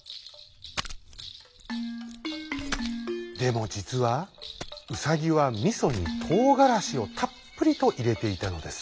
でもじつはウサギはみそにとうがらしをたっぷりといれていたのです。